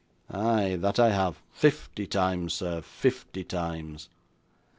Ay, that I have, fifty times, sir fifty times!